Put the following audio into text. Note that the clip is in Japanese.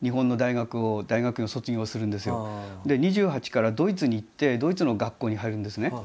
２８からドイツに行ってドイツの学校に入るんですね。